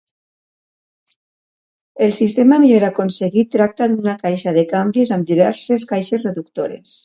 El sistema millor aconseguit tracta d'una caixa de canvis amb diverses caixes reductores.